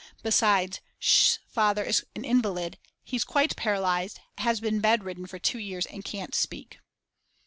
Besides, Sch.'s father is an invalid, he's quite paralysed, has been bedridden for two years and can't speak.